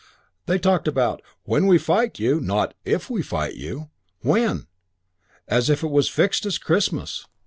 They talked about 'When we fight you' not 'if we fight you' 'when', as if it was as fixed as Christmas.